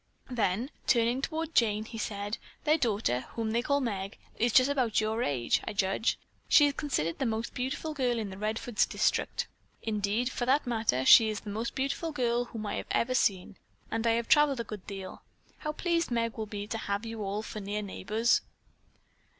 Then, turning toward Jane, he said: "Their daughter, whom they call Meg, is just about your age, I judge. She is considered the most beautiful girl in the Redfords district. Indeed, for that matter, she is the most beautiful girl whom I have ever seen, and I have traveled a good deal. How pleased Meg will be to have you all for near neighbors."